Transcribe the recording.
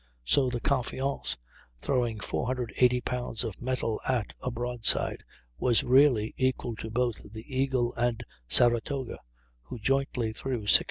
So the Confiance, throwing 480 pounds of metal at a broadside, was really equal to both the Eagle and Saratoga, who jointly threw 678.